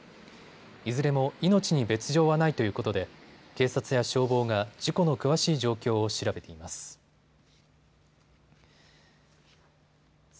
いずれも命に別状はないということで警察や消防が事故の詳しい状況を調べています。